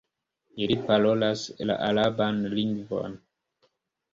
Ili parolas la araban lingvon.